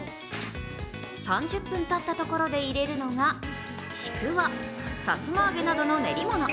３０分たったところで入れるのがちくわさつま揚げなどの練り物。